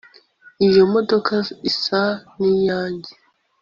Iyi modoka isa niyanjye